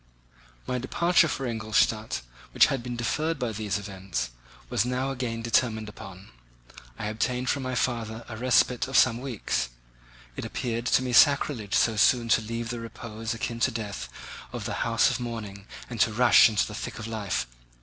My departure for Ingolstadt, which had been deferred by these events, was now again determined upon. I obtained from my father a respite of some weeks. It appeared to me sacrilege so soon to leave the repose, akin to death, of the house of mourning and to rush into the thick of life.